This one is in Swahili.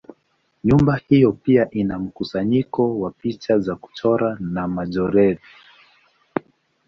Nyumba hiyo pia ina mkusanyiko wa picha za kuchora za Majorelle.